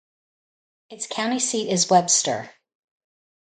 Its county seat is Webster.